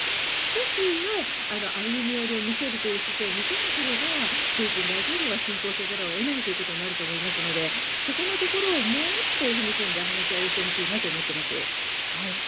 少しは歩み寄りを見せるという姿勢を見せなければプーチン大統領は侵攻せざるを得ないということになると思いますのでそこのところをもう一歩踏み込んで話し合いをしてほしいなと思っています。